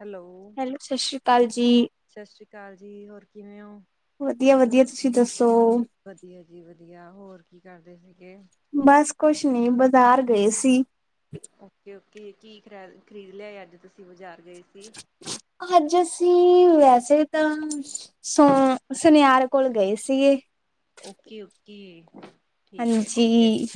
Hello, ਸਤਿ ਸ਼੍ਰੀ ਅਕਾਲ ਜੀ ਸਤਿ ਸ੍ਰੀ ਅਕਾਲ ਜੀ। ਹੋਰ ਕਿਵੇਂ ਹੋ? ਵਧੀਆ- ਵਧੀਆ ਤੁਸੀਂ ਦੱਸੋ। ਵਧੀਆ ਜੀ, ਵਧੀਆ ਹੋਰ ਕੀ ਕਰਦੇ ਸੀ ਗੇ। ਬਸ ਕੁਛ ਨਹੀਂ ਬਾਜ਼ਾਰ ਗਏ ਸੀ। ਓਕੇ, ਓਕੇ ਕੀ ਖਰੀਦ ਲਿਆਏ। ਅੱਜ ਤੁਸੀਂ ਬਾਜ਼ਾਰ ਗਏ ਸੀ। ਅੱਜ ਅਸੀਂ ਵੈਸੇ ਤਾਂ, ਸੋ ਸੁਨਿਆਰ ਕੋਲ ਗਏ ਸੀਗੇ। ਓਕੇ, ਓਕੇ ਠੀਕ ਹੈ, ਠੀਕ ਹੈ। ਹਾਂਜੀ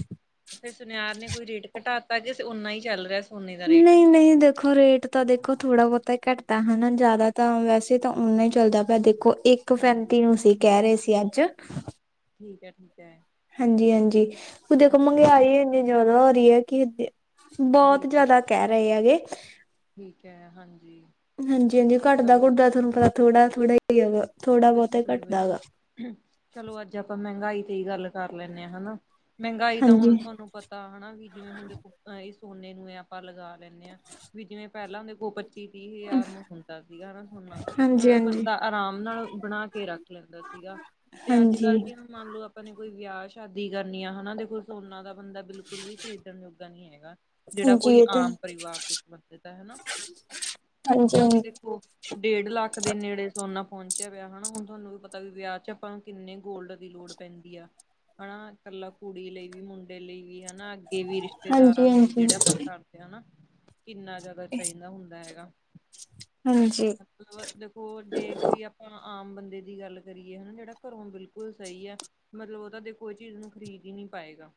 ਫਿਰ ਸੁਨਿਆਰ ਨੇ ਕੋਈ ਰੇਟ ਘਟਾ ਤਾ ਗਿਆ। ਉਨਾ ਹੀ ਚੱਲ ਰਿਹਾ ਸੀ। ਨਹੀਂ -ਨਹੀਂ ਦੇਖੋ ਰੇਟ ਤਾਂ ਦੇਖੋ ਥੋੜਾ ਬਹੁਤਾ ਤਾਂ ਹੀ ਘੱਟਦਾ ਹਨਾ। ਜ਼ਿਆਦਾ ਤਾਂ ਵੈਸੇ ਤਾਂ ਨਾ ਹੀ ਚੱਲਦਾ ਪਿਆ ਦੇਖੋ। ਇੱਕ ਹਾਂਜੀ ਸੈਂਤੀ ਨੂੰ ਸੀ ਕਹਿ ਰਹੇ ਸੀ। ਅੱਜ ਠੀਕ ਹੈ। ਹੈ ਹਾਂਜੀ- ਹਾਂਜੀ ਉਹਦੇ ਕੋਲ ਓਕੇ ਮਹਿੰਗਾਈ ਇੰਨੀ ਜ਼ਿਆਦਾ ਹੋ ਰਹੀ ਹੈ। ਕਿ ਬਹੁਤ ਬਿਲਕੁਲ ਜ਼ਿਆਦਾ ਕਹਿ ਰਹੇ ਹੈਗੇ। ਠੀਕ ਹੈ ਹਾਂਜੀ। ਹਾਂਜੀ- ਹਾਂਜੀ ਘੱਟਦਾ- ਘੁੱਟਦਾ ਤੁਹਾਨੂੰ ਪਤਾ ਥੋੜਾ- ਥੋੜ੍ਹਾ ਹੀਗਾ ਵਾ। ਬਿਲਕੁਲ- ਬਿਲਕੁਲ ਚਲੋ ਅੱਜ ਆਪਾਂ ਮਹਿੰਗਾਈ ਗੱਲ ਕਰ ਲੈਂਦੇ ਹਾਂ ਹਨਾ। ਮਹਿੰਗਾਈ ਤਾਂ ਹਾਂਜੀ ਹੁਣ ਤੁਹਾਨੂੰ ਪਤਾ ਹਨਾ। ਵੀ ਜਿਵੇਂ ਹੁਣ ਦੇਖੋ ਸੋਨੇ ਨੂੰ ਆਪਾਂ ਲਗਾ ਲੈਂਦੇ ਹਾਂ। ਵੀ ਜਿਵੇਂ ਪਹਿਲਾਂ ਹੁੰਦੇ ਗੋਪ ਵੀਹ ਹਜ਼ਾਰ ਨੂੰ ਹੁੰਦਾ ਸੀ। ਸੋਨਾ ਹਾਂਜੀ ਮਤਲਬ ਹਾਂਜੀ ਬੰਦਾ ਆਰਾਮ ਨਾਲ ਬਣਾ ਕੇ ਰੱਖ ਲੈਂਦਾ ਸੀਗਾ। ਤੇ ਅੱਜ ਹਾਂਜੀ ਕੱਲ ਕਿਵੇਂ ਮੰਨ ਲਓ ਆਪਾਂ ਨੇ ਕੋਈ ਵਿਆਹ- ਸ਼ਾਦੀ ਕਰਨੀਆਂ ਹਨਾ। ਦੇਖੋ ਸੋਨਾ ਬੰਦਾ ਬਿਲਕੁਲ ਵੀ ਖਰੀਦਣ ਯੋਗਾ ਨੀ ਹੈਗਾ। ਜਿਹੜਾ ਹਾਂਜੀ ਕੋਈ ਇਹ ਤਾਂ ਆਮ ਪਰਿਵਾਰ ਤੋਂ ਸੰਬੰਧਿਤ ਹੈ ਹਨਾ। ਹਾਂਜੀ ਕਿਉਂਕਿ ਹਾਂਜੀ ਦੇਖੋ। ਡੇਢ ਲੱਖ ਦੇ ਨੇੜੇ ਸੋਨਾ ਵਿਆਹ ਹਨਾ। ਹੁਣ ਤੁਹਾਨੂੰ ਵੀ ਪਤਾ ਵੀ ਵਿਆਹ ਚ ਆਪਾਂ ਕਿੰਨੇ ਗੋਲਡ ਦੀ ਲੋੜ ਪੈਂਦੀ ਆ। ਹਨਾ। ਇਕਲਾ ਕੁੜੀ ਲਈ ਵੀ, ਮੁੰਡੇ ਲਈ ਵੀ ਹਨਾ। ਅੱਗੇ ਵੀ ਹਾਂਜੀ ਰਿਸ਼ਤੇਦਾਰਾਂ ਨੂੰ ਵੀ ਹਾਂਜੀ ਜਿਹੜਾ ਆਪਾਂ ਕਰਦੇ ਹਾਂ ਹਨਾ। ਕਿੰਨਾ ਜ਼ਿਆਦਾ ਚਾਹੀਦਾ ਹੁੰਦਾ ਹੈਗਾ। ਹਾਂਜੀ ਮਤਲਬ ਦੇਖੋ ਜੇ ਕੋਈ ਆਪਾਂ ਆਮ ਬੰਦੇ ਦੀ ਗੱਲ ਕਰੀਏ ਹਨਾ। ਜਿਹੜਾ ਘਰੋਂ ਬਿਲਕੁਲ ਸਹੀ ਹੈ। ਮਤਲਬ ਉਹਦਾ ਦੇ ਕੋਈ ਚੀਜ਼ ਨੂੰ ਖਰੀਦ ਹੀ। ਨਹੀਂ ਪਾਏਗਾ।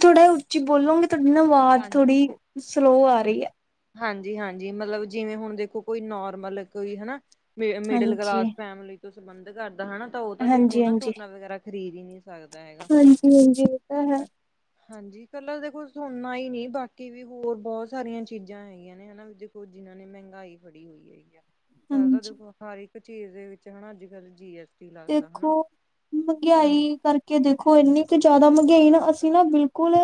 ਥੋੜ੍ਹਾ ਉੱਚੀ ਬੋਲੋਂਗੇ। ਤੁਹਾਡੀ ਨਾ ਆਵਾਜ਼ ਹਾਂਜੀ ਥੋੜ੍ਹੀ, ਸਲੋ ਆ ਰਹੀ ਹੈ। ਹਾਂਜੀ- ਹਾਂਜੀ ਮਤਲਬ ਜਿਵੇਂ ਹੁਣ ਦੇਖੋ ਕੋਈ ਨੋਰਮਲ ਕੋਈ ਹਨਾ। ਮ ਮਿਡਲ ਹਾਂਜੀ ਕਲਾਸ ਫੈਮਿਲੀ ਤੋਂ ਸੰਬੰਧ ਕਰਦਾ ਹਨਾ। ਤਾਂ ਉਹ ਤਾਂ ਦੇਖੋ ਹਾਂਜੀ ਨਾ ਹਾਂਜੀ ਸੋਨਾ ਵਗੈਰਾ ਖਰੀਦ ਹੀ ਨਹੀਂ। ਸਕਦਾ ਹੈਗਾ। ਹਾਂਜੀ- ਹਾਂਜੀ ਇਹ ਤਾਂ ਹੈ। ਹਾਂਜੀ। ਪਹਿਲਾ ਦੇਖੋ ਸੁਣਨਾ ਹੀ ਨਹੀਂ ਬਾਕੀ ਵੀ ਹੋਰ ਬਹੁਤ ਸਾਰੀਆਂ ਚੀਜ਼ਾਂ ਹੈਗੀਆਂ ਨੇ ਹਨਾ। ਵੀ ਦੇਖੋ ਜਿਨਾਂ ਨੇ ਮਹਿੰਗਾਈ ਫੜੀ ਹੋਈ ਹੈਗੀ। ਆ ਫਲ ਤਾਂ ਹਾਂਜੀ ਦੇਖੋ ਸਾਰੀ ਝੀਲ ਦੇ ਵਿੱਚ ਹਨਾ। ਅੱਜ ਕੱਲ੍ਹ ਜੀ ਐੱਸ ਦੇਖੋ, ਮਹਿੰਗਾਈ ਕਰਕੇ ਦੇਖੋ ਇਨੀ ਕ ਜਿਆਦਾ ਗਾ ਨਾ। ਅਸੀਂ ਨਾ ਬਿਲਕੁਲ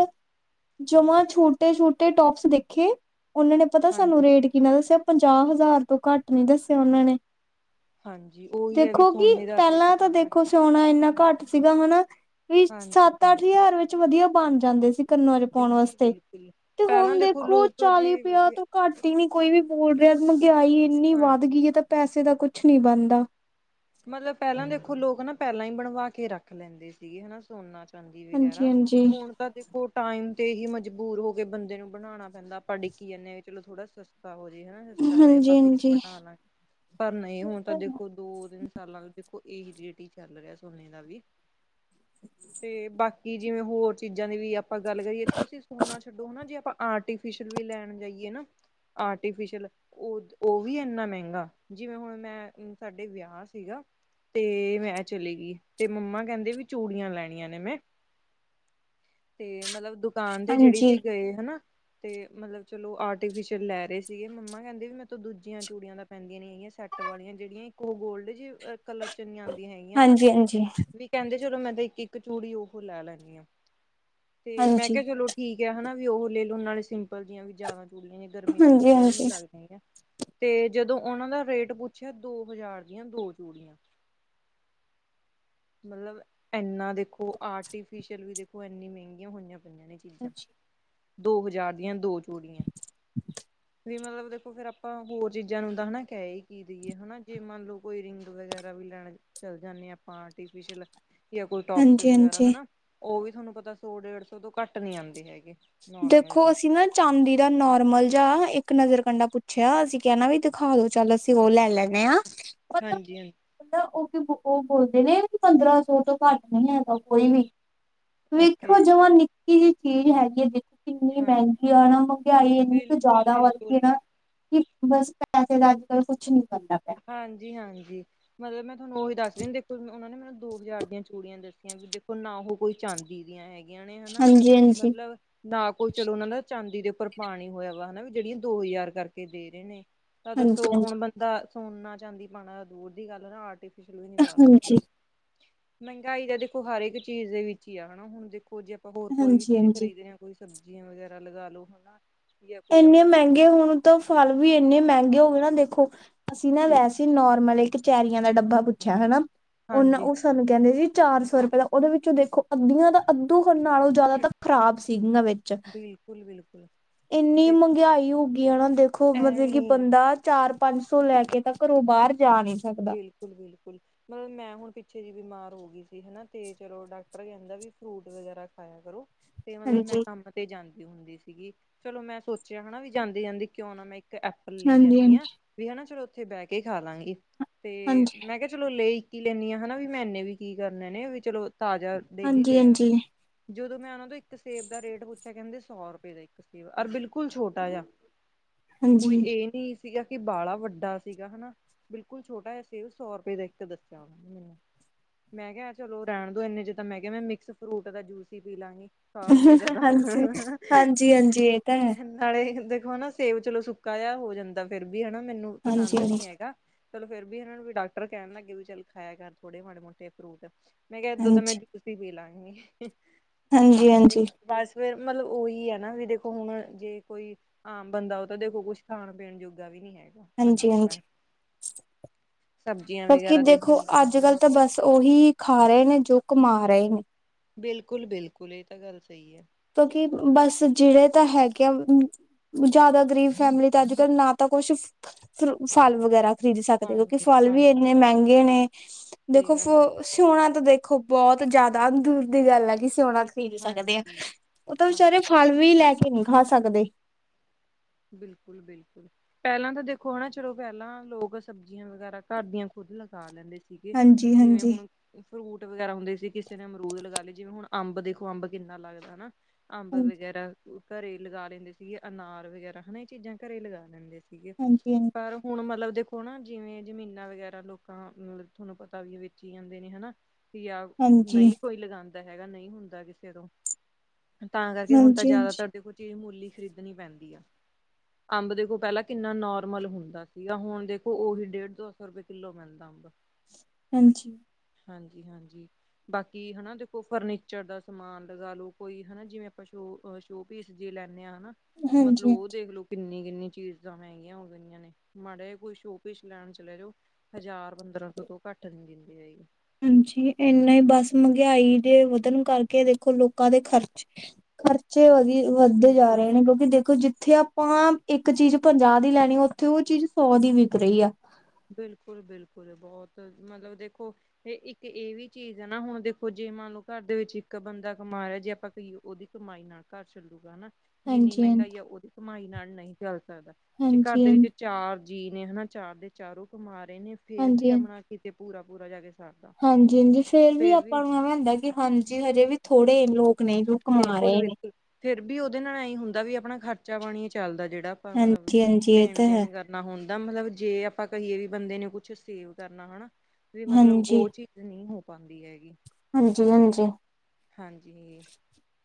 ਜਮਾਂ ਛੋਟੇ- ਛੋਟੇ ਟੋਪਸ ਦੇਖੇ। ਉਹਨਾਂ ਨੇ ਪਤਾ ਸਾਨੂੰ ਹਾਂਜੀ-ਹਾਂਜੀ ਰੇਟ ਕਿੰਨਾ ਦੱਸਿਆ। ਪੰਜਾਹ ਹਜ਼ਾਰ ਤੋਂ ਘੱਟ ਨਹੀ ਦੱਸਿਆ। ਉਹਨਾਂ ਨੇ ਹਾਂਜੀ। ਉਹੀ ਹੈ ਵੀ ਦੇਖੋ ਕਿ ਸੋਨੇ ਦਾ ਰੇਟ ਪਹਿਲਾਂ ਤਾਂ ਦੇਖੋ ਸੋਨਾ ਇਨਾ ਘੱਟ ਸੀ ਨਾ। ਵੀ ਸੱਤ- ਹਾਂਜੀ-ਹਾਂਜੀ-ਹਾਂਜੀ ਅੱਠ ਹਜ਼ਾਰ ਵਿੱਚ ਵਧੀਆ ਬਣ ਜਾਂਦੇ ਸੀ। ਕੰਨਾਂ ਚ ਪਾਉਣ ਵਾਸਤੇ ਬਿਲਕੁਲ-ਬਿਲਕੁਲ ਤੇ ਹੁਣ ਪਹਿਲਾਂ ਦੇਖੋ। ਦੇਖੋ ਲੋਕ ਜੇ ਚਾਲੀ- ਪੰਜਾਹ ਤੋਂ ਘੱਟ ਹੀ ਨਹੀ ਕੋਈ ਵੀ ਬੋਲ ਰਿਹਾ। ਮਹਿੰਗਾਈ ਇੰਨੀ ਹਾਂ ਵੱਧ ਗਈ ਹੈ। ਤਾਂ ਪੈਸੇ ਦਾ ਕੁਛ ਨਹੀਂ ਬਣਦਾ। ਮਤਲਬ ਪਹਿਲਾਂ ਦੇਖੋ ਲੋਕ ਨਾ ਪਹਿਲਾਂ ਹੀ ਬਣਵਾ ਕੇ ਰੱਖ ਲੈਂਦੇ ਸੀਗੇ। ਸੋਨਾ ਹਾਜੀ। ਵਗੈਰਾ ਹਾਂਜੀ-ਹਾਂਜੀ, ਹੁਣ ਤਾਂ ਦੇਖੋ ਟਾਈਮ ਤੇ ਹੀ ਮਜਬੂਰ ਹੋ ਕੇ ਬੰਦੇ ਨੂੰ ਬਣਾਉਣਾ ਪੈਂਦਾ ਆਪਾਂ ਡਿੱਕੀ ਜਾਂਦੇ ਹਾਂ। ਚੋ ਥੋੜਾ ਸਸਤਾ ਹੋ ਮਜਬੂਰ ਹੋ ਜੇ ਸਸਤਾ ਹੋ ਜੇ ਫਿਰ ਹਾਂਜੀ-ਹਾਂਜੀ। ਬਣਾ ਲਾਂਗੀ। ਪਰ ਨਹੀਂ ਹੋਣ ਤਾਂ ਦੇਖੋ ਦੋ ਦਿਨ ਨਾਲੇ਼ ਦੇਖੋ ਏਹੀ ਰੇਟ ਈ ਚੱਲ ਰੇਆ ਸੋਨੇ ਦਾ ਵੀ। ਤੇ ਬਾਕੀ ਜਿਵੇਂ ਹੋਰ ਚੀਜਾਂ ਦੀ ਵੀ ਆਪਾਂ ਗੱਲ ਕਰੀਏ, ਤੁਸੀਂ ਸੋਨਾ ਛੱਡੋ ਹਨਾ ਜੀ ਆਪਾ ਆਰਟੀਫਿਸ਼ਲ ਵੀ ਲੈਣ ਜਾਈਏ ਨਾ ਆਰਟੀਫਿਸ਼ਲ ਓ ਓਵੀ ਐਂਨਾ ਮੈਂਗਾ, ਜਿਵੇਂ ਹੁਣ ਮੈਂ ਸਾਡੇ ਵੇਆ ਸੀ ਗਾ ਤੇ, ਮੈਂ ਚਲੇ ਗੀ ਤੇ ਮੰਮਾ ਕੈਂਦੇ ਵੀ ਚੂੜੀਆਂ ਲੈਣੀਆਂ ਨੇ ਮੈਂ ਤੇ ਮਤਲਬ ਦੁਕਾਨ ਦੇ ਜੇੜੀ ਹਾਂਜੀ, ਤੇ ਗਏ ਹਨਾ ਤੇ ਮਤਲਬ ਚਲੋ ਆਰਟੀਫਿਸ਼ਲ ਲੈ ਰੇ ਸੀਗੇ, ਮੰਮਾ ਕੈਂਦੇ ਵੀ ਮੈਤੋਂ ਦੂਜੀਆਂ ਚੂੜੀਆਂ ਤਾਂ ਪੈਂਦੀਆਂ ਨੀ ਗੀਆਂ ਕੱਟ ‌ ਵਾਲੀ਼ਆਂ ਜੇੜੀਆਂ ਇੱਕ ਓ ਗੋਲਡ ਜੇ ਅ ਕਲਰ ਚ ਨੀ ਆਂਦੀਆਂ ਹੈਗੀਆਂ ਨਾ, ਹਾਂਜੀ-ਹਾਂਜੀ, ਵੀ ਕੈਂਦੇ ਜਦੋ ਇੱਕ, ਇੱਕ ਚੂੜੀ ਓ ਲੈ ਲੈਂਦੀ ਆ, ਤੇ ਮੈਂ ਕੇਆ ਹਾਂਜੀ, ਚਲੋ ਠੀਕ ਐ ਹਨਾ ਵੀ ਓਹ ਲੇਲੋ ਨਾਲੇ਼ ਸਿੰਪਲ ਜਿਆਂ ਵੀ ਜੇਆਦਾ ਚੂੜੀਆਂ ਜੀਆਂ, ਗਰਮੀ ਚ ਵਦੀਆ ਵੀ ਨੀ ਹਾਂਜੀ-ਹਾਂਜੀ। ਲੱਗਦੀਆਂ ਤੇ ਜਦੋਂ ਓਨਾਂ ਦਾ ਰੇਟ ਪੁੱਛੇਆ ਦੋ ਹਜਾਰ ਦੀਆਂ ਦੋ ਚੂੜੀਆਂ। ਮਲਬ, ਐਨਾਂ ਦੇਖੋ ਆਰਟੀਫਿਸ਼ਅਲ ਵੀ ਦੇਖੋ ਐਨੀ ਮ੍ਹੈਂਗੀਆਂ ਹੋਈਆਂ [unintelligible] ਚੀਜਾਂ ਦੋ ਹਜਾਰ ਦੀਆਂ ਦੋ ਚੂੜੀਆਂ। [unintelligible] ਵੀ ਮਤਲਬ ਦੇਖੋ ਫੇਰ ਆਪਾਂ ਹੋਰ ਚੀਜਾਂ ਨੂੰ ਤਾਂ ਹਨਾ ਕੈਈ ਕੀ ਦੀਏ ਹਨਾ, ਜੇ ਮੰਨ ਲੋ ਕੋਈ ਰਿੰਗ ਵਗੈਰਾ ਵੀ ਲੈਣ ਚੱਲ ਜਾਂਨੇ ਆਂ ਆਪਾਂ ਆਰਟੀਫੀਸੀਅਲ, ਜਾਂ ਕੋਈ ਟੋਪਸ ਵਗੈਰਾ ਹਾਂਜੀ-ਹਾਂਜੀ। ਹਨਾ ਥੋਨੂੰ ਪਤਾ ਸੋ ਡੇੜ ਸੋ ਤੋਂ ਘੱਟ ਨੀ ਆਂਦੇ ਹੈਗੇ। ਨੋਰਮਲ ਦੇਖੋ ਹਾਂਜੀ ਅਸੀਂ ਨਾ ਚਾਂਦੀ ਦਾ ਨੋਰਮਲ ਜਾ ਇੱਕ ਨਜਰ ਕੰਡਾ ਪੁੱਛੇਆ ਅਸੀਂ ਕੇਆ ਨਾ ਵੀ, ਦਿਖਾਓ ਚੱਲ ਅਸੀਂ ਓ ਲੈ ਲੈਂਨੇ ਆਂ ਹਾਂਜੀ, ਹਾਂਜੀ। ਓ ਬੋਲਦੇ ਨੇ ਪੰਦਰ੍ਹਾਂ ਸੋ ਤੋ ਘੱਟ ਨਈ ਹੈਗਾ ਕੋਈ ਵੀ। ਓਕੇ ਵੇਖੋ ਜਵਾਂ ਨਿੱਕੀ ਜੀ ਚੀਜ ਹੈਗੀ ਏ ਵੇਖੋ ਕਿੰਨੀ ਹਾਂਜੀ ਮੈਂਗੀ ਆ ਨਾ, ਮ੍ਹੰਗੇਆਈ ਐਨੀ ਕ ਬਿਲਕੁਲ ਜਾਦਾ ਵੱਦ ਬਿਲਕੁਲ ਗੀ ਏ ਨਾ ਕਿ ਬਸ, ਪੈਸੇ ਦਾ ਅੱਜ-ਕੱਲ ਕੁਛ ਨੀ ਬਣਦਾ ਪਿਆ ਹਾਂਜੀ, ਹਾਂਜੀ ਮਤਲਬ ਮੈਂ ਥੋਨੂੰ ਓਈ ਦੱਸ ਰੀ ਆਂ ਓਨਾਂ ਨੇ ਮੈਨੂੰ ਦੋ ਹਜਾਰ ਦੀਆਂ ਚੂੜੀਆਂ ਦੱਸੀਆਂ, ਵੀ ਦੇਖੋ ਨਾ ਓ ਕੋਈ ਚਾਂਦੀ ਦੀਆਂ ਹੈਗੀਆਂ ਨੇ ਹਨਾ, ਹਾਂਜੀ ਹਾਂਜੀ ਮਤਲਬ ਨਾਲ ਕੋਲ ਚਲੋ ਓਨਾਂ ਦਾ ਚਾਂਦੀ ਦੇ ਉੱਪਰ ਪਾਣੀ ਹੋਏਆ ਵਾ ਹਨਾ, ਵੀ ਜੇੜੀਆਂ ਦੋ ਹਜਾਰ ਕਰਕੇ ਦੇ ਰੇ ਨੇ ਤਾਂ ਹਾਂਜੀ ਦੱਸੋ ਹਾਂਜੀ ਹੋਣ ਬੰਦਾ ਸੋਨਾ, ਚਾਂਦੀ ਪਾਣਾ ਦੂਰ ਦੀ ਗੱਲ ਹਨਾ, ਆਰਟੀਫਿਸ਼ਲ ਵੀ ਨੀ ਪਾ ਹਾਂਜੀ ਸਕਦਾ। ਮ੍ਹੈਂਗਾਈ ਤਾਂ ਦੇਖੋ ਹਰ ਇੱਕ ਚੀਜ਼ ਦੇ ਵਿੱਚ ਈ ਆ, ਹਣਾ ਹੂਣ ਦੇਖੋ ਜੇ ਆਪਾਂ ਹੋਰ ਕੋਈ ਵੀ ਹਾਂਜੀ ਚੀਜ਼ ਹਾਂਜੀ ਖਰੀਦਦੇ ਆਂ ਕੋਈ ਸਬਜੀਆਂ ਵਗੈਰਾ ਲਗਾ ਲੋ ਹਣਾ ਐਨੇ ਮੈਂਗੇ ਹੋਣ ਤਾਂ ਫਲ ਵੀ ਐਨੇਂ ਮੈਂਗੇ ਹੋ ਗ ਦੇਖੋ, ਅਸੀਂ ਨਾ ਵੈਸੇ ਨੋਰਮਲ ਚੈਰੀਆਂ ਦਾ ਡੱਬਾ ਪੁੱਛੇਆ ਹਨਾ ਓਨਾਂ ਹਾਂਜੀ ਓ ਸਾਨੂੰ ਕੈਂਦੇ ਸੀ ਚਾਰ ਸੌ ਰਪੇਆ, ਓਦੇ ਵਿੱਚੋਂ ਦੇਖੋ ਅੱਦੀਆਂ ਦਾ ਅੱਦੋ ਨਾਲੋ਼ ਜਾਦਾ ਤਾਂ ਖ਼ਰਾਬ ਸੀਗੀਆਂ ਵੇਚ ਬਿਲਕੁਲ-ਬਿਲਕੁਲ ਏਨੀ ਤੇ ਮ੍ਹੰਗੇਆਈ ਹੋ ਗੀ ਆਨਾ ਦੇਖੋ, ਮਤਲਬ ਐਵੇਂ ਕਿ ਹੀ ਆ। ਬੰਦਾ ਚਾਰ ਪੰਜ ਸੌ ਲੈ ਕੇ ਤਾਂ ਘਰੋਂ ਬਾਰ ਬਿਲਕੁਲ, ਬਿਲਕੁਲ ਮਲਬ ਮੈਂ ਹੋਣ ਪਿੱਛੇ ਜੇ ਬੀਮਾਰ ਹੋਗੀ ਸੀ ਹਨਾ, ਤੇ ਚਲੋ ਡਾਕਟਰ ਕੈਂਦਾ ਵੀ ਫ੍ਰੂਟ ਵਗੈਰਾ ਖਾਏਆ ਕਰੋ ਤੇ ਮਤਲਬ ਮੈਂ ਹਾਂਜੀ ਕਾਮ ਤੇ ਜਾਂਦੀ ਹੁੰਦੀ ਸਿਗੀ, ਚਲੋ ਮੈ ਸੋਚੇਆ ਹਣਾ ਵੀ ਜਾਂਦੀ, ਜਾਂਦੀ ਕੇਓ ਨ ਐਪਲ ਲਈ ਹਾਂਜੀ ਜਾਂਨੀ ਆ ਵੀ, ਹਨਾ ਚਲੋ ਓਥੇ ਬੈ ਕੇ ਖਾ ਲਾਂਗੀ ਤੇ, ਹਾਂਜੀ ਮੈਂ ਕੇਆ ਚਲੋ ਲੇ ਇੱਕ ਈ ਲੇਨੀ ਆ ਹਨਾ ਵੀ ਮੈਂ ਐਨੇ ਵੀ ਕੀ ਕਰਨੇ ਨੇ ਵੀ ਚਲੋ ਤਾਜਾ ਡੇਲੀ ਹਾਂਜੀ ਲੇਆ ਹਾਂਜੀ ਜਦੋਂ ਮੈਂ ਓਨਾਂ ਤੋ ਇੱਕ ਸੇਬ ਦਾ ਰੇਟ ਪੂਛੇਆ ਕੈਂਦੇ ਸੌ ਰਪੇ ਦਾ ਇੱਕ ਸੇਬ ਆ, ਓਰ ਬਿਲਕੁਲ ਛੋਟਾ ਜੇਆ ਕੋਈ ਹਾਂਜੀ ਏ ਨੀ ਸੀਗਾ ਕਿ ਬਾਲਾ਼ ਵੱਡਾ ਸੀਗਾ ਹਨਾ ਬਿਲਕੁਲ ਛੋਟਾ ਜਾ ਸੇਬ ਸੌ ਰਪੇ ਦਾ ਇਕ ਦਿੱਤਾ। ਮੈਂ ਕੇਆ ਚਲੋ ਰੈਣ ਦੋ ਐਨੇ ਚ ਤਾ ਮੈਂ ਕਿਹਾ ਮੈਂ, ਮਿਕਸ ਫ੍ਰੂਟ ਦਾ ਜੂਸ ਈ ਪੀ ਲਾਂਗੀ ਸੋ ਰਪੇ ਦਾ, ਦਾ ਹਾਂਜੀ ਹਾਂਜੀ ਹਾਂਜੀ ਹਾਂਜੀ ਇਹ ਤਾਂ ਹੈ ਨਾਲੇ਼ ਹ ਦੇਖੋ ਸੇਬ ਚਲੋ ਸੁੱਕਾ ਜੇਆ ਹੋ ਜਾਂਦਾ, ਫੇਰ ਵੀ ਹਨਾ ਮੈਨੂੰ ਹਾਂਜੀ ਪਸੰਦ ਹਾਂਜੀ ਨੀ ਹੈਗਾ ਚਲੋ ਫਿਰ ਵੀ ਇਹ ਨੂੰ ਡਾਕਟਰ ਕਹਿਣ ਲੱਗੇ ਵੀ ਚੱਲ ਖਾਇਆ ਕਰ ਥੋੜੇ ਮਾੜੇ ਮੋਟੇ ਫਰੂਟ ਮੈਂ ਕਿਹਾ ਦੁੱਧਾਂ ਮੈਂ ਜੂਸ ਪੀ ਲਾਂਗੀ। ਹਾਂਜੀ-ਹਾਂਜੀ ਬਸ ਫੇਰ ਮਤਲਬ ਉਹੀ ਹੈ ਨਾ ਵੀ ਦੇਖੋ ਹੁਣ ਜੇ ਕੋਈ ਆਮ ਬੰਦਾ ਉਹ ਤਾਂ ਦੇਖੋ ਕੁਛ ਖਾਣ ਪੀਣ ਜੋਗਾ ਵੀ ਨੀ ਹੈ ਅੱਜ ਤੇ ਟਮ ਬਾਕੀ ਦੇਖ ਦੇਖੋ ਲਓ ਉਹ ਅੱਜ ਵੀ ਕੱਲ ਲੈਣ ਤਾਂ ਬਸ ਉਹੀ ਖਾ ਰਹੇ ਨੇ ਜੋ ਕਮਾ ਰਹੇ ਨੇ। ਬਿਲਕੁਲ-ਬਿਲਕੁਲ ਇਹ ਤਾਂ ਗੱਲ ਸਹੀ ਹੈ। ਕਿਉਂਕਿ ਬਸ ਜਿਹੜੇ ਤਾਂ ਹੈਗੇ ਆ ਜਾਦਾ ਗ਼ਰੀਬ ਫੈਮਿਲੀ ਤੇ ਅੱਜ ਕੱਲ ਨਾ ਤਾਂ ਕੁੱਛ ਫ ਫਲ ਵਗੈਰਾ ਖਰੀਦ ਸਕਦੇ ਕਿਉਂਕਿ ਹਾਂਜੀ ਫਲ ਵੀ ਹਾਂਜੀ ਇੰਨੇ ਮਹਿੰਗੇ ਨੇ ਸਹੀ ਦੇਖੋ ਗੱਲ ਹੈ ਸੋਣਾ ਤਾਂ ਦੇਖ ਖੂ ਬਹੁਤ ਜ਼ਿਆਦਾ ਦੂਰ ਦੀ ਗੱਲ ਆ ਕਿ ਸਿਉਨਾ ਖਰੀਦ ਸਕਦੇ ਆ ਹਾਂਜੀ ਉਹ ਤਾਂ ਹਾਂ ਵਿਚਾਰੇ ਫਲ ਵੀ, ਲੈਕੇ ਨਹੀਂ ਖਾ ਸਕਦੇ। ਬਿਲਕੁਲ-ਬਿਲਕੁਲ ਪਹਿਲਾਂ ਤਾਂ ਦੇਖੋ, ਹਨਾ ਚਲੋ ਪਹਿਲਾਂ ਲੋਕ ਸਬਜ਼ੀਆਂ ਵਗੈਰਾ ਘਰ ਦੀਆਂ ਖ ਦੁੱਧ ਲਗਾ ਲੈਂਦੇ ਸੀਗੇ, ਹਾਂਜੀ ਜਿਵੇਂ ਹਾਂਜੀ ਹੁਣ ਫਰੂਟ ਵਗੈਰਾ ਹੁੰਦੇ ਸੀ ਕਿਸੇ ਨੇ ਅਮਰੂਦ ਲਗਾ ਲਏ, ਜਿਵੇਂ ਹੁਣ ਅੰਬ ਦੇਖੋ, ਅੰਬ ਕਿੰਨਾ ਲੱਗਦਾ ਨਾ ਅੰਬ ਹਾਂਜੀ ਵਗੈਰਾ ਘਰੇ ਲਗਾ ਲੈਂਦੇ ਸੀਗੇ, ਅਨਾਰ ਵਗੈਰਾ ਹਨਾ ਇਹ ਚੀਜ਼ਾਂ ਘਰੇ ਲਗਾ ਲੈਂਦੇ ਸੀ ਹਾਂਜੀ ਪਰ, ਹੁਣ ਮਤਲਬ ਦੇ ਓਣਾ, ਜਿਵੇਂ ਜ਼ਮੀਨਾਂ ਵਗੈਰਾ ਲੋਕਾਂ ਮਤਲ ਤੁਹਾਨੂੰ ਪਤਾ ਵੀ, ਵੇਚੀ ਜਾਂਦੇ ਨੇ ਹਨਾ। ਯਾਂ, ਹਾਂਜੀ ਨਹੀਂ ਕੋਈ ਲਗਾਂਦਾ ਹੈਗਾ, ਨਹੀਂ ਹੁੰਦਾ ਕਿਸੇ ਤੋਂ ਤਾਂ ਕਰਕੇ, ਹੁਣ ਤਾਂ ਹਾਂਜੀ ਹਾਂਜੀ ਜ਼ਿਆਦਾਤੁਰ ਦੇਖੋ ਚੀਜ਼ ਮੁੱਲ ਹੀ ਖਰੀਦਣੀ ਪੈਂਦੀ ਏ। ਅੰਬ ਦੇਖੋ, ਪਹਿਲਾਂ ਕਿੰਨਾ ਨੋਰਮਲ ਹੁੰਦਾ ਸੀਗਾ, ਹੁਣ ਦੇਖੋ ਉਹੀ ਡੇਢ, ਦੋ- ਸੌ ਰੁਪਏ ਕਿੱਲੋ ਮਿਲਦਾ। ਹਾਂਜੀ। ਹਾਂਜੀ-ਹਾਂਜੀ। ਬਾਕੀ ਹਨਾ ਦੇਖੋ ਫਰਨੀਚਰ ਦਾ ਸਮਾਨ ਲਗਾਲੋ, ਕੋਈ ਹਨਾ ਜਿਵੇਂ, ਆਪਾਂ ਸ਼ ਸ਼ੋਪੀਸ ਜੇ ਲੈਂਨੇ ਹਾਂ, ਹਨਾ ਮਤਲਬ ਹਾਂਜੀ ਉਹ ਕਿੰਨੀ-ਕਿੰਨੀ ਚੀਜ਼ਾਂ ਮਹਿੰਗੀਆਂ ਹੋ ਗਈਆਂ ਨੇ। ਮਾੜਾ ਕੋਈ ਸ਼ੋਕੇਸ ਲੈਣ ਚਲੇ ਜਾਓ ਹਜ਼ਾਰ, ਬੰ ਪੰਦਰਾਂ-ਸੌ ਤੋਂ, ਘੱਟ ਨੀ ਦਿੰਦੇ ਹੈਗੀ ਹਾਂਜੀ, ਇਨਾ ਹੀ ਬੱਸ ਮਹਿੰਗਾਈ ਦੇ ਵਧਣ ਕਰਕੇ ਦੇਖੋ ਲੋਕਾਂ ਦੇ ਖਰਚ ਖਰਚੇ ਵਧੀ-ਵਧਦੇ ਜਾ ਬਿਲਕੁਲ ਰਹੇ ਨੇ, ਕਿਉਂਕਿ ਦੇਖੋ ਜਿੱਥੇ ਆਪ ਆਪਾਂ, ਇੱਕ ਚੀਜ਼ ਪੰਜਾਹ ਦੀ ਲੈਣੀ, ਉੱਥੇ 'ਉਹ ਚੀਜ਼ ਸੌ ਦੀ ਵਿਕ ਰਹੀ ਆ। ਬਿਲਕੁਲ-ਬਿਲਕੁਲ ਬਹੁਤ ਮਤਲਬ ਦੇਖੋ, ਇਹ ਇੱਕ ਇਹ ਵੀ ਚੀਜ਼ ਹੈ ਨਾ ਹੁਣ ਦੇਖੋ ਜੇ ਮੰਨ ਲਓ, ਘਰ ਦੇ ਵਿੱਚ ਇੱਕ ਬੰਦਾ ਕਮਾ ਰਿਹਾ। ਜੇ ਆਪਾਂ ਕਈਏ ਉਹਦੀ ਕਮਾਈ ਨਾਲ ਘਰ ਚੱਲੂਗਾ ਹਨਾ ਜਿੰਨੀ ਹਾਂਜੀ ਹਾਂਜੀ ਮਹਿੰਗਾਈ ਆ, ਉਹਦੀ ਕਮਾਈ ਨਾਲ ਨਹੀਂ ਚੱਲ ਸਕਦਾ ਜੇ, ਘਰ ਹਾਂਜੀ ਹਾਂਜੀ ਦੇ ਵਿੱਚ ਚਾਰ ਜੀ ਨੇ, ਹਨਾ ਚਾਰ ਦੇ ਚਾਰੋਂ ਕਮਾ ਰਹੇ ਨੇ, ਫੇਰ ਵੀ ਹਾਂਜੀ ਹਾਂਜੀ ਆਪਣਾ ਕਿਤੇ ਪੂਰਾ- ਪੂਰਾ ਜਾਕੇ ਹਾਂਜੀ, ਹਾਂਜੀ ਫੇਰ ਵੀ ਆਪਾਂ ਨੂੰ ਐਵੇਂ ਹੁੰਦਾ ਕਿ ਹਾਂਜੀ ਹਜੇ ਵੀ ਥੋੜੇ ਲੋਕ ਨੇ ਜੋ ਕਮਾ ਬਿਲਕੁਲ! ਰਹੇ ਨੇ ਬਿਲਕੁਲ! ਫਿਰ ਵੀ, ਉਹਦੇ ਨਾਲ ਐਂਹੀ ਹੁੰਦਾ ਵੀ ਆਪਣਾ ਖਰਚਾ-ਪਾਣੀ ਹੀ ਚੱਲਦਾ। ਜਿਹੜਾ, ਆਪਾਂ ਮਤਲਬ ਹਾਂਜੀ ਹਾਂਜੀ ਇਹ ਦੇਣ- ਤਾਂ ਹੈ ਦੇਣ ਕਰਨਾ ਹੁੰ ਦਾਂ ਮਤਲਬ ਜੇ, ਆਪਾਂ ਕਹੀਏ ਵੀ ਬੰਦੇ ਨੇ ਕੁਛ ਸੇਵ ਕਰਨਾ। ਹਨਾ ਵੀ, ਮਤਲਬ ਉਹ ਚੀਜ਼ ਨਹੀਂ ਹੋ ਪਾਉਂਦੀ ਹੈਗੀ। ਹਾਂਜੀ-ਹਾਂਜੀ! ਹਾਂਜੀ।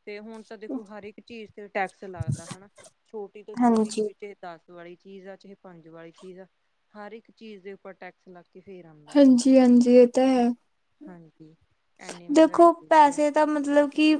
ਤੇ, ਹੁਣ ਤਾਂ ਦੇਖੋ, ਹਰ ਇੱਕ ਚੀਜ਼ ਤੇ ਟੈਕਸ ਲੱਗਦਾ। ਛੋਟੀ ਤੋਂ ਛੋਟੀ ਹਾਂਜੀ ਕੋਈ ਤੇ ਦੱਸ ਵਾਲੀ ਚੀਜ਼ ਆ, ਚਾਹੇ ਪੰਜ ਵਾਲੀ ਚੀਜ਼ ਆ, ਹਰ ਇੱਕ ਚੀਜ਼ ਦੇ ਉਪਰ ਟੈਕਸ ਲੱਗ ਕੇ ਫੇਰ ਆਉਂਦਾ ਹਾਂਜੀ- ਹਾਂਜੀ, ਇਹ ਤਾ ਹੈ। ਹਾਂਜੀ। ਇੰਨੀ ਮਹਿੰਗਾਈ ਦੇਖੋ, ਹੋ ਗਿਆ ਪੈਸੇ ਤਾਂ ਮਤਲਬ ਕਿ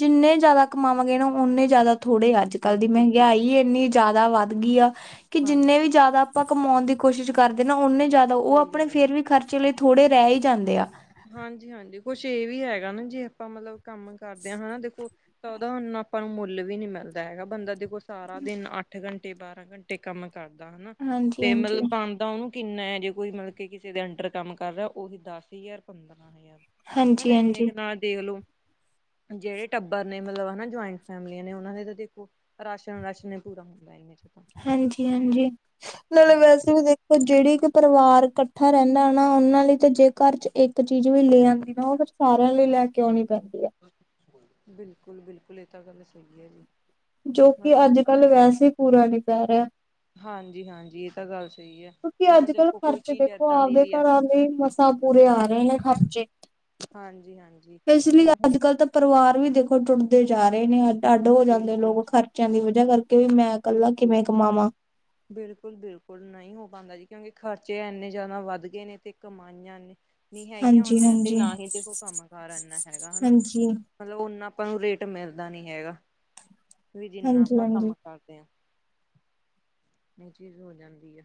ਜਿੰਨੇ ਜਿਆਦਾ ਕਮਾਵਾਂਗੇ ਨਾ, ਓਨੇ ਜਿਆਦਾ ਥੋੜ੍ਹੇ ਅੱਜ- ਕੱਲ੍ਹ ਦੀ ਮਹਿੰਗਾਈ ਬਿਲਕੁਲ-ਬਿਲਕੁਲ ਇੰਨੀ ਜ਼ਿਆਦਾ ਵੱਧ ਗਈ ਆ, ਕਿ ਹਾਂਜੀ ਜਿੰਨੇ ਵੀ ਜ਼ਿਆਦਾ ਆਪਾਂ ਕਮਾਉਣ ਦੀ ਕੋਸ਼ਿਸ਼ ਕਰਦੇ ਨਾ, ਓਨੇ ਜ਼ਿਆਦਾ 'ਉਹ ਸਹੀ ਆਪਣੇ ਗੱਲ ਆ ਫਿਰ ਵੀ ਖਰਚੇ ਲਈ ਥੋੜ੍ਹੇ ਰਹਿ ਹੀ ਜਾਂਦੇ ਆ। ਹਾਂਜੀ- ਹਾਂਜੀ। ਕੁਛ ਇਹ ਵੀ ਹੈਗਾ ਨਾ, ਜੇ ਆਪਾਂ ਮਤਲਬ ਕੰਮ ਕਰਦੇ ਹਾਂ, ਹਨਾ ਦੇਖੋ, ਤਾਂ ਉਹਦਾ ਹੁਣ ਆਪਾਂ ਨੂੰ ਮੁੱਲ ਵੀ ਨਹੀਂ ਮਿਲਦਾ ਹੈਗਾ, ਬੰਦਾ ਦੇਖੋ ਸਾਰਾ ਦਿਨ ਅੱਠ ਘੰਟੇ, ਬਾਰਾਂ ਘੰਟੇ ਕੰਮ ਕਰਦਾ ਹਨਾ ਹਾਂਜੀ ਤੇ ਹਾਂਜੀ ਮਤਲਬ ਬਣਦਾ ਉਹਨੂੰ ਇਨਾ ਹੈ, ਜੇ ਕੋਈ ਮਤਲਬ ਕਿ, ਕਿਸੇ ਦੇ ਅੰਡਰ ਕੰਮ ਕਰ ਰਿਹਾ ਉਹੀ ਦਸ- ਹਜ਼ਾਰ ਪੰਦਰਾਂ ਹਾਂਜੀ ਹਨਾ ਇੰਨੇ ਹਾਂਜੀ ਕੁ ਨਾਲ ਦੇਖਲੋ ਜਿਹੜੇ ਟੱਬਰ ਨੇ, ਮਤਲਬ ਹਨਾ ਜੁਆਇੰਟ ਫੈਮਲੀਆਂ ਨੇ, ਉਹਨਾਂ ਨੇ, ਦੇ ਦੇਖੋ ਰਾਸ਼ਨ -ਰਾਸ਼ਨ ਨੇ ਪੂਰਾ ਹੁੰਦਾ ਇਹੇ ਹਾਂਜੀ-ਹਾਂਜੀ! ਨਾਲੇ ਹਾਂਜੀ ਵੈਸੇ ਵੀ, ਦੇਖੋ ਜਿਹੜੀ ਕਿ ਪਰਿਵਾਰ ਇਕੱਠਾ ਰਹਿੰਦਾ ਨਾ, ਉਹਨਾਂ ਲਈ ਤੇ, ਜੇ ਘਰ'ਚ ਇੱਕ ਚੀਜ਼ ਵੀ, ਲੇ ਆਂਦੀ ਨਾ, ਉਹ ਫਿਰ ਸਾਰਿਆਂ ਲਈ ਲੈਕੇ ਆਉਂਣੀ ਪੈਂਦੀ। ਹੈ ਬਿਲਕੁਲ-ਬਿਲਕੁਲ! ਇਹ ਤਾਂ, ਗੱਲ ਸਹੀ ਹੈ ਜੀ। ਜੋ, ਕਿ, ਮਤਲਬ ਅੱਜ-ਕੱਲ ਵੈਸੇ ਪੂਰਾ ਨਹੀਂ ਪੈ ਰਿਹਾ। ਹਾਂਜੀ-ਹਾਂਜੀ ਇਹ ਤਾਂ ਗੱਲ ਸਹੀ ਹੈ ਕਿਉਂਕਿ ਹੁਣ ਅੱਜ- ਕੱਲ੍ਹ ਦੇਖੋ ਕੋਈ ਖਰਚੇ ਚੀਜ਼ ਦੇਖੋ, ਏਦਾਂ ਦੀ ਆਪਦੇ ਵੀ ਆ ਘਰਾਂ ਦੇ, ਮਸਾਂ ਪੂਰੇ ਆ ਰਹੇ ਨੇ ਖਰਚੇ। ਹਾਂਜੀ ਹਾਂਜੀ ਇਸ ਲਈ, ਇਹ ਅੱਜ-ਕੱਲ੍ਹ ਤਾਂ ਪਰਿਵਾਰ ਵੀ ਦੇਖੋ, ਟੁੱਟਦੇ ਜਾ ਰਹੇ ਨੇ ਅੱ ਆਡ ਹੋ ਜਾਂਦੇ ਬਿਲਕੁਲ ਲੋਕ, ਖਰਚਿਆਂ ਦੀ ਵਜ੍ਹਾ ਕਰ ਬਿਲਕੁਲ- ਬਿਲਕੁਲ -ਬਿਲਕੁਲ ਨਹੀਂ ਹੋ ਬਣਦਾ ਜੀ ਕਿਉਂਕਿ ਖਰਚੇ ਇੰਨੇ ਜ਼ਿਆਦਾ ਵਧ ਗਏ ਨੇ, ਤੇ ਕਮਾਈਆਂ ਨੇ ਨਹੀਂ ਹੈਗੀਆਂ ਹਾਂਜੀ ਉਨੀਆਂ, ਤੇ ਹਾਂਜੀ ਨਾ ਹੀ ਦੇਖੋ ਕੋਈ ਕੰਮ ਕਾਰ ਇੰਨਾ ਹੈਗਾ ਹਨਾ, ਹਾਂਜੀ ਮਤਲਬ ਓਨਾ ਆਪਾਂ ਨੂੰ ਰੇਟ ਮਿਲਦਾ ਨੀ ਹੈਗਾ, ਵੀ ਜਿੰਨਾ ਹਾਂਜੀ ਆਪਾਂ ਕੰਮ ਹਾਂਜੀ ਇਹ ਚੀਜ਼ ਹੋ ਜਾਂਦੀ ਐ।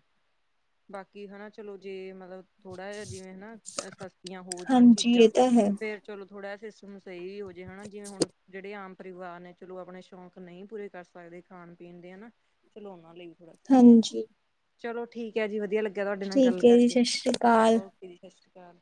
ਬਾਕੀ ਹਨਾ ਚਲੋ ਜੇ ਮਤਲਬ ਥੋੜਾ ਜਿਹਾ ਜਿਵੇਂ ਨਾ ਸਸਤੀਆਂ ਹੋ ਜਾਣ ਹਾਂਜੀ ਇਹ ਚੀਜ਼ਾਂ, ਤਾਂ ਹੈ ਫੇਰ ਚਲੋ ਥੋੜ੍ਹਾ ਜਾ ਸਿਸਟਮ ਸਹੀ ਵੀ ਹੋ ਜੇ ਹਨਾ, ਜਿਵੇਂ ਹੁਣ ਜਿਹੜੇ ਆਮ ਪਰਿਵਾਰ ਨੇ ਚਲੋ ਆਪਣੇ ਸ਼ੌਂਕ ਨਹੀਂ ਪੂਰੇ ਕਰ ਸਕਦੇ, ਖਾਣ ਖਾਣ-ਪੀਣ ਦੇ ਹਨਾ, ਚਲੋ ਉਹਨਾ ਲਈ ਥੋੜਾ ਸਹਾਰਾ, ਹਾਂਜੀ ਚਲੋ ਠੀਕ ਹੈ ਜੀ ਵਧੀਆ ਲੱ ਗਿਆ ਤੁਹਾਡੇ ਨਾਲ ਗੱਲ ਠੀਕ ਹੈ ਜੀ ਕਰਕੇ, ਸਤਿ ਸ੍ਰੀ ਅਕਾਲ ਓਕੇ ਜੀ ਸਸ ਰੀ ਕਾਲ।